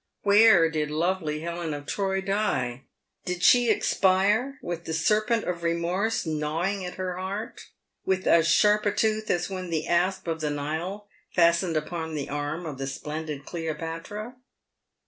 "Where did lovely Helen of Troy die ? Did she expire with the serpent of remorse gnaw ing at her heart, with as sharp a tooth as when the asp of the Nile fastened upon the arm of the splendid Cleopatra